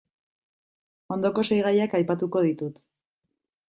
Ondoko sei gaiak aipatuko ditut.